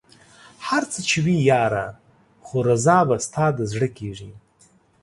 هر څه چې وي ياره خو رضا به ستا د زړه کېږي